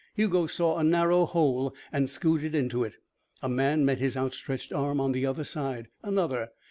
Hugo saw a narrow hole and scooted into it. A man met his outstretched arm on the other side. Another.